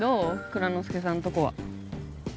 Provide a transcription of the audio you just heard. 蔵之介さんとこは。